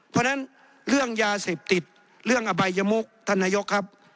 เพราะฉะนั้นเรื่องยาเสพติดเรื่องอบายมุกท่านนายกครับ